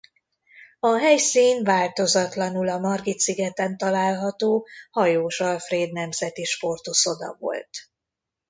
A helyszín változatlanul a Margit-szigeten található Hajós Alfréd Nemzeti Sportuszoda volt.